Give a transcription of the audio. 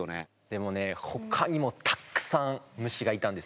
でもねほかにもたくさん虫がいたんですよ。